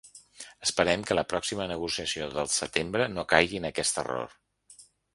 Esperem que la pròxima negociació del setembre no caigui en aquest error.